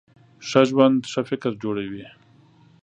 ښه ژوند ښه فکر جوړوي.